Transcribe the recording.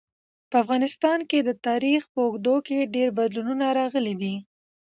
په افغانستان کي د تاریخ په اوږدو کي ډېر بدلونونه راغلي دي.